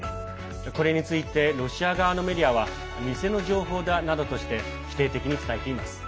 これについてロシア側のメディアは偽の情報だなどとして否定的に伝えています。